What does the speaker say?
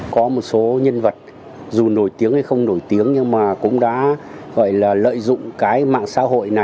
có một số nhân vật dù nổi tiếng hay không nổi tiếng nhưng mà cũng đã gọi là lợi dụng cái mạng xã hội này